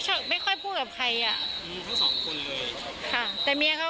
ก็ไม่เห็นเมียค่ะ